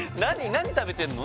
何食べてんの？